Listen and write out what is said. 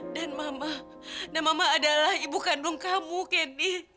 dan mama dan mama adalah ibu kandung kamu candy